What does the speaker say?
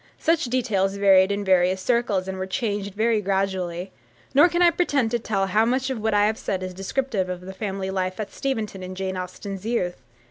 Such details varied in various circles, and were changed very gradually; nor can I pretend to tell how much of what I have said is descriptive of the family life at Steventon in Jane Austen's youth.